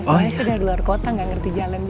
saya dari luar kota nggak ngerti jalan juga